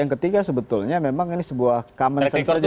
yang ketiga sebetulnya memang ini sebuah common sense saja